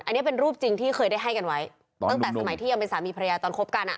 อันนี้เป็นรูปจริงที่เคยได้ให้กันไว้ตั้งแต่สมัยที่ยังเป็นสามีภรรยาตอนคบกันอ่ะ